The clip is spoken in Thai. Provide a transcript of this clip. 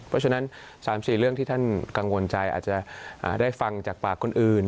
เพราะฉะนั้น๓๔เรื่องที่ท่านกังวลใจอาจจะได้ฟังจากปากคนอื่น